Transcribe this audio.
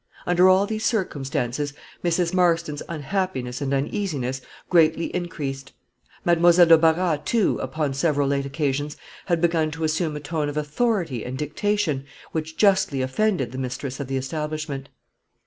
Under all these circumstances, Mrs. Marston's unhappiness and uneasiness greatly increased. Mademoiselle de Barras, too, upon several late occasions, had begun to assume a tone of authority and dictation, which justly offended the mistress of the establishment.